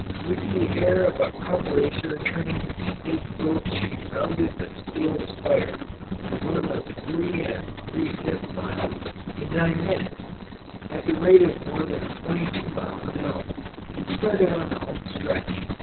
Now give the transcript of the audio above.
With the air of a cup racer turning the stake boat she rounded the steel spire, a run of three and three fifth miles, in nine minutes (at the rate of more than twenty two miles an hour), and started on the home stretch.